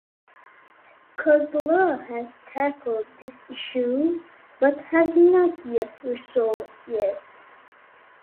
Case law has tackled this issue but has not yet resolved it.